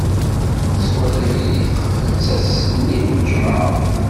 Tettwaker-iyi texfet ass-nni n lǧemεa.